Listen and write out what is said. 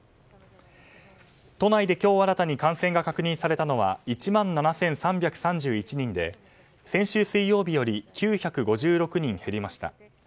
都内で今日新たに感染が確認されたのは１万７３３１人で先週水曜日より９５６人減りました。